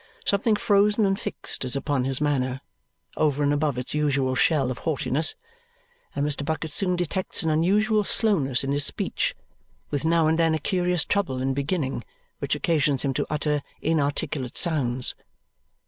Something frozen and fixed is upon his manner, over and above its usual shell of haughtiness, and Mr. Bucket soon detects an unusual slowness in his speech, with now and then a curious trouble in beginning, which occasions him to utter inarticulate sounds.